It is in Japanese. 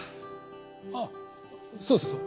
あそうそうそう。